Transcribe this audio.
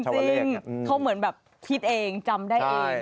จริงเขาเหมือนแบบคิดเองจำได้เอง